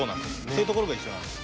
そういうところが一緒なんです。